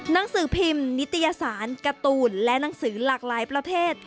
หนังสือพิมพ์นิตยสารการ์ตูนและหนังสือหลากหลายประเภท